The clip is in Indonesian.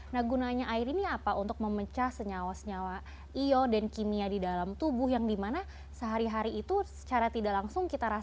nah gunanya air ini apa untuk memecah senyawa senyawa io dan kimia di dalam tubuh yang dimana sehari hari itu secara tidak langsung kita rasakan